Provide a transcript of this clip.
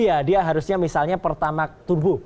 iya dia harusnya misalnya pertamak tubuh